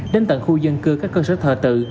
đến tận khu dân cư các cơ sở thờ tự